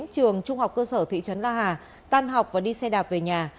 trường trung học cơ sở thị trấn la hà tan học và đi xe đạp về nhà